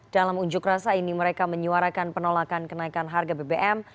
dalam unjuk rasa ini mereka menyuarakan penolakan kenaikan harga bbm